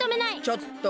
ちょっと！